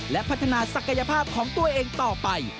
และพัฒนาศักยภาพของตัวเองต่อไป